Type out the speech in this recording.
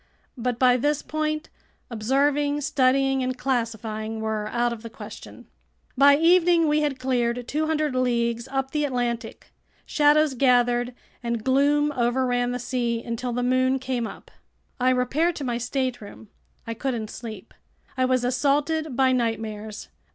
But by this point observing, studying, and classifying were out of the question. By evening we had cleared 200 leagues up the Atlantic. Shadows gathered and gloom overran the sea until the moon came up. I repaired to my stateroom. I couldn't sleep. I was assaulted by nightmares.